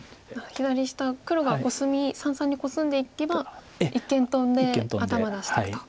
左下黒がコスミ三々にコスんでいけば一間トンで頭出していくと。